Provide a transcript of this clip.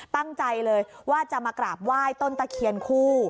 ตั้งใจเลยว่าจะมากราบไหว้ต้นตะเคียนคู่